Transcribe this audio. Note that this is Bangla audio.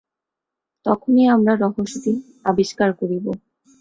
তখনই আমরা রহস্যটি আবিষ্কার করিব।